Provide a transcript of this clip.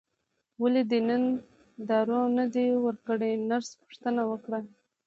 ولې دې نن دارو نه دي ورکړي نرس پوښتنه وکړه.